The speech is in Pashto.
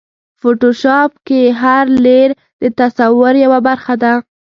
فوټوشاپ کې هر لېیر د تصور یوه برخه ده.